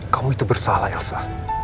kamu itu bersalah elsa